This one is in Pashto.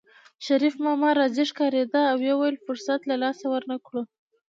شريف ماما راضي ښکارېده او ویل یې فرصت له لاسه ورنکړو